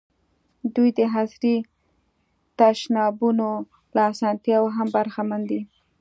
دوی د عصري تشنابونو له اسانتیاوو هم برخمن دي.